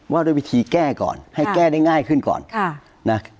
ว่าด้วยวิธีแก้ก่อนให้แก้ได้ง่ายขึ้นก่อนนะ